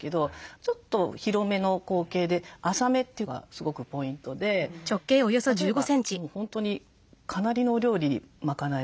ちょっと広めの口径で浅めというのがすごくポイントで例えばもう本当にかなりのお料理賄える。